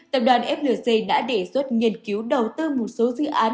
tập đoàn flc đã đề xuất nghiên cứu đầu tư một số dự án